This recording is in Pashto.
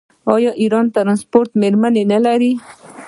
آیا د ایران سپورټ میرمنې نلري؟